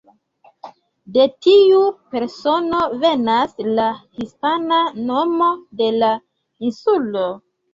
De tiu persono venas la hispana nomo de la insulo.